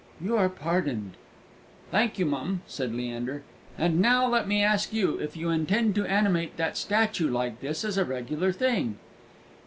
You are pardoned." "Thank you, mum," said Leander; "and now let me ask you if you intend to animate that statue like this as a regular thing?"